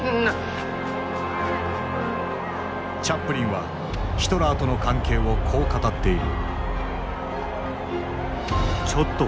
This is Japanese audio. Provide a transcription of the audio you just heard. チャップリンはヒトラーとの関係をこう語っている。